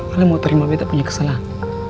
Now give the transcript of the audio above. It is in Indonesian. apa yang mau terima beta punya kesalahan